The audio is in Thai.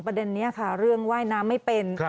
ประเด็นนี้ค่ะเรื่องว่ายน้ำไม่เป็น